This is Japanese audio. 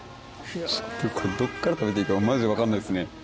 これどっから食べていいかマジで分かんないですね。